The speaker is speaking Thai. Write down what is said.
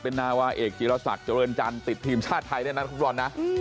เป็นนาวาเอกจีลสักเจริญจันทร์ติดทีมชาติไทยด้วยนะครับบอน้ะ